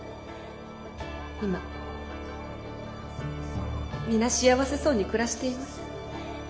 今皆幸せそうに暮らしています。